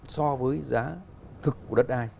so với giá thực của đất ai